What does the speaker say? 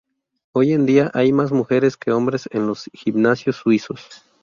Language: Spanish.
Hoy en día hay más mujeres que hombres en los gimnasios suizos.